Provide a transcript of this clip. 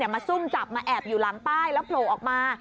ซุ่มจับมาแอบอยู่หลังป้ายแล้วโผล่ออกมา